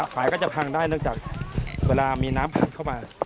ฝ่ายก็จะพังได้เนื่องจากเวลามีน้ำพังเข้ามา